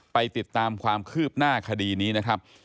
ไปติดตามความคืบหน้าคดีนี้นะครับ